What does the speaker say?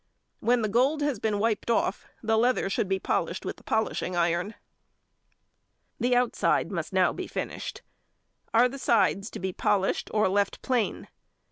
When the gold has been wiped off, the leather should be polished with the polishing iron. The outside must now be finished. Are the sides to be polished, or left plain?